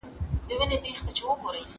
علم د طبيعت د عيني قوانينو پېژندنه ده.